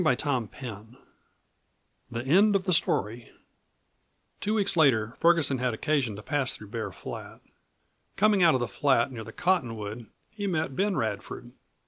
CHAPTER XXIV THE END OF THE STORY Two weeks later Ferguson had occasion to pass through Bear Flat. Coming out of the flat near the cottonwood he met Ben Radford.